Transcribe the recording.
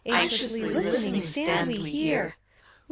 Anxiously listening stand we here.